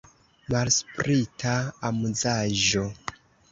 Malsprita amuzaĵo!